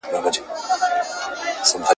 پکښي نه ورښکارېدله خپل عیبونه ,